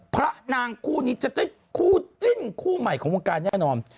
พระนางคู่นี้จะได้คู่จิ้นคู่ใหม่ของวงการแน่นอน